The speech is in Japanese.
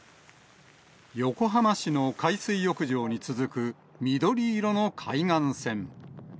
横浜市の海水浴場に続く、緑色の海岸線。